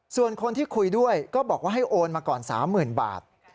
ส่วนคนที่คุยด้วยก็บอกว่าให้โอนมาก่อน๓๐๐๐บาท